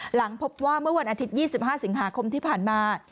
หลังพบว่าเมื่อวันอาทิตย์๒๕สิงหาคมที่ผ่านมา